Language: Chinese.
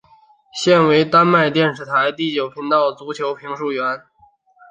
现为丹麦电视台第九频道足球评述员。